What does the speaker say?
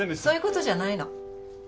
そういうことじゃないの。